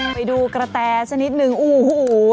ไปดูกระแทสนิทนึงอูหูหู